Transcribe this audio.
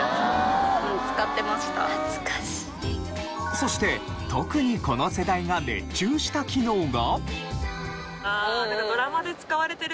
そして特にこの世代が熱中した機能が。